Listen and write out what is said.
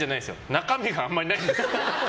中身があんまりないんです。